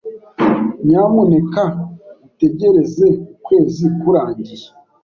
Nyamuneka utegereze ukwezi kurangiye.